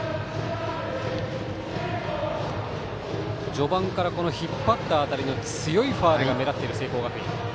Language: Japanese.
序盤から引っ張った当たりの強いファウルが目立っている聖光学院。